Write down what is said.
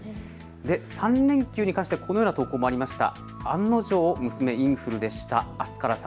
３連休に関してはこのような投稿もありました。